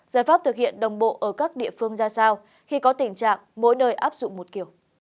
giải pháp thực hiện đồng bộ ở các địa phương ra sao khi có tình trạng mỗi nơi áp dụng một kiểu